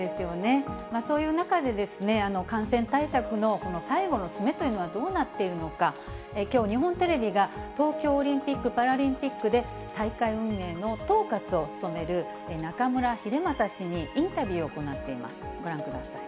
そういう中で、感染対策のこの最後の詰めというのはどうなっているのか、きょう、日本テレビが東京オリンピック・パラリンピックで、大会運営の統括を務める中村英正氏にインタビューを行っています。